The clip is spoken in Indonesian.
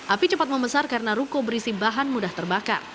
api cepat membesar karena ruko berisi bahan mudah terbakar